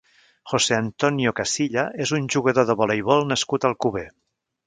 José Antonio Casilla és un jugador de voleibol nascut a Alcover.